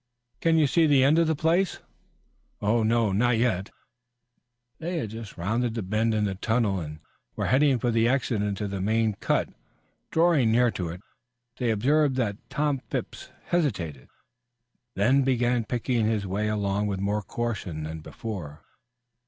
"Can you see the end of the place?" "No, not yet." They had just rounded the bend in the tunnel and were heading for the exit into the main cut. Drawing near to it, they observed that Tom Phipps hesitated, then began picking his way along with more caution than before.